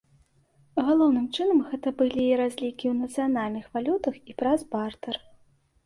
Галоўным чынам гэта былі разлікі ў нацыянальных валютах і праз бартэр.